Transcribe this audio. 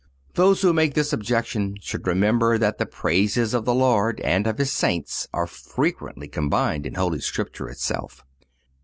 Those who make this objection should remember that the praises of the Lord and of His Saints are frequently combined in Holy Scripture itself.